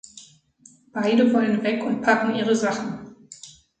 Beide wollen weg und packen ihre Sachen.